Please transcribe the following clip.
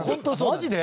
マジで？